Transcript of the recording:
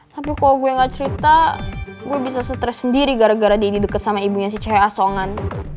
tapi kalau gue gak cerita gue bisa stres sendiri gara gara daddy deket sama ibunya si cewek asongan